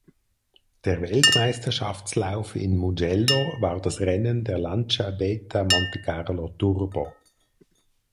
Der Weltmeisterschaftslauf in Mugello war das Rennen der Lancia Beta Montecarlo Turbo.